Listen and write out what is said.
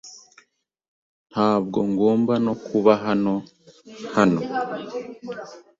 Ntabwo ngomba no kuba hano hano.